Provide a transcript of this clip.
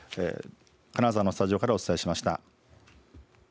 金沢のスタジオからお伝えしました。